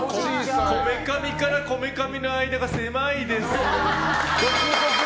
こめかみから、こめかみの間が狭いです。